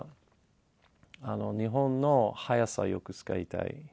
だから日本の速さよく使いたい。